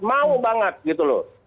mau banget gitu loh